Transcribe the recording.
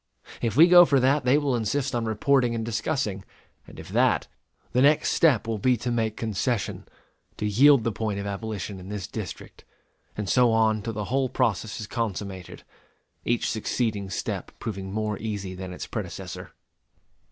If we go for that, they will insist on reporting and discussing; and if that, the next step will be to make concession to yield the point of abolition in this District; and so on till the whole process is consummated, each succeeding step proving more easy than its predecessor.